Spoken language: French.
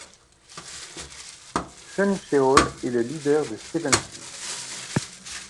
Seungcheol est le leader de Seventeen.